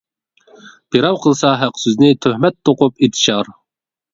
بىراۋ قىلسا ھەق سۆزنى، تۆھمەت توقۇپ ئېتىشار.